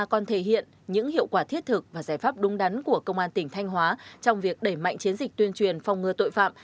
của công an tỉnh thanh hóa trong việc đẩy mạnh chiến dịch tuyên truyền phòng ngừa tội phạm